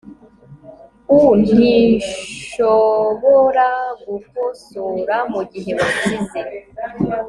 ou ntishobora gukosora mugihe wasize